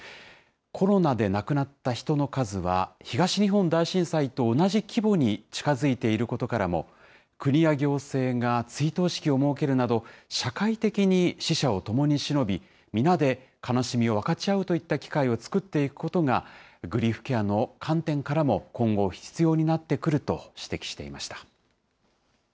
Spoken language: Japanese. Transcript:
コロナで亡くなった人の数は、東日本大震災と同じ規模に近づいていることからも、国や行政が追悼式を設けるなど、社会的に死者を共にしのび、皆で悲しみを分かち合うといった機会を作っていくことが、グリーフケアの観点からも今後、必要になってくると指摘していました。